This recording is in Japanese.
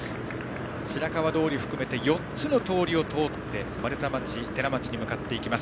白川通を含めて４つの通りを通って丸太町、寺町に向かっていきます。